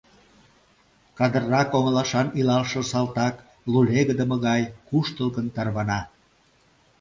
Кадыррак оҥылашан илалше салтак лулегыдыме гай куштылгын тарвана.